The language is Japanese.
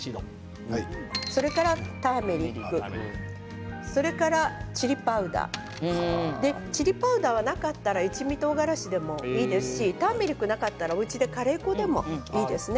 それからターメリックそれからチリパウダーチリパウダーはなかったら一味とうがらしでもいいですしターメリックなかったらおうちでカレー粉でもいいですね。